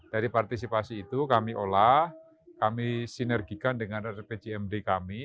dari partisipasi itu kami olah kami sinergikan dengan rpcmd kami